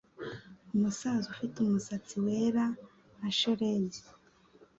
umusaza ufite umusatsi wera nka shelegi